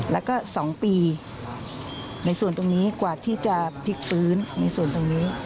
แล้วก็๒ปีในส่วนตรงนี้กว่าที่จะพลิกฟื้นในส่วนตรงนี้